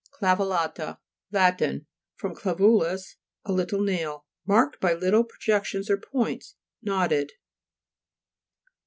CLAVELLA'TA Lat. (fr. claiming, a little nail.) Marked by little pro jections or points ; knotted.